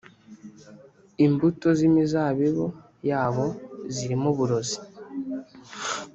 imbuto z’imizabibu yabo zirimo uburozi.